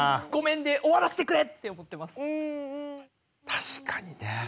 確かにね。